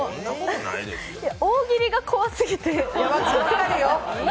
大喜利が怖すぎて。